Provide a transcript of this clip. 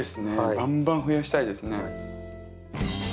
バンバン増やしたいですね。